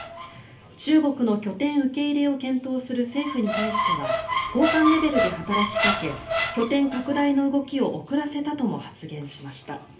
中国の拠点受け入れを検討する政府に対しては高官レベルで働きかけ拠点拡大の動きを遅らせたとも発言しました。